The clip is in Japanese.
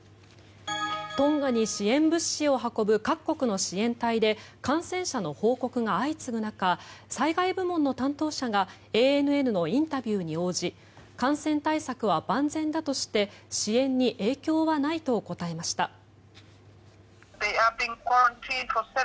トンガに支援物資を運ぶ各国の支援隊で感染者の報告が相次ぐ中災害部門の担当者がＡＮＮのインタビューに応じ感染対策は万全だとして支援に影響はないと答えました。